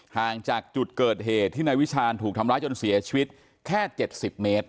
ห่างจากจุดเกิดเหตุที่นายวิชาณถูกทำร้ายจนเสียชีวิตแค่๗๐เมตร